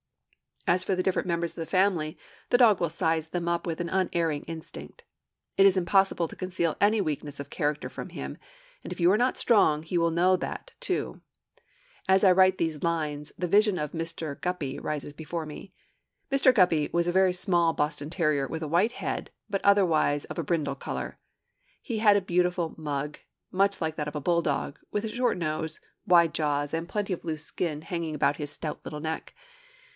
As for the different members of the family, the dog will 'size them up' with an unerring instinct. It is impossible to conceal any weakness of character from him; and if you are strong, he will know that, too. As I write these lines, the vision of 'Mr. Guppy' rises before me. Mr. Guppy was a very small Boston terrier with a white head, but otherwise of a brindle color. He had a beautiful 'mug,' much like that of a bull dog, with a short nose, wide jaws, and plenty of loose skin hanging about his stout little neck.